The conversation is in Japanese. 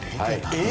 えっ！